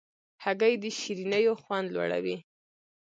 هګۍ د شیرینیو خوند لوړوي.